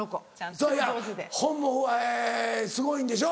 そういや本もすごいんでしょ？